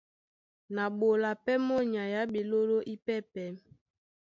Na ɓola pɛ́ mɔ́ nyay á ɓeɓoló ípɛ́pɛ̄.